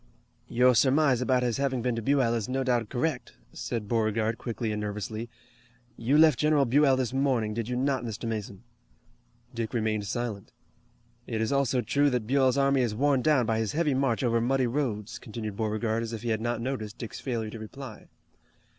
"Your surmise about his having been to Buell is no doubt correct," said Beauregard quickly and nervously. "You left General Buell this morning, did you not, Mr. Mason?" Dick remained silent. "It is also true that Buell's army is worn down by his heavy march over muddy roads," continued Beauregard as if he had not noticed Dick's failure to reply.